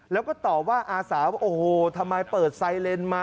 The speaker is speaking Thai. แล้วก็ตอบว่าอาสาว่าโอ้โหทำไมเปิดไซเลนมา